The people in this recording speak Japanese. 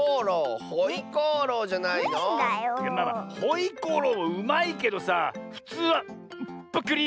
まあまあホイコーローうまいけどさふつうは「っぷくりーむ」。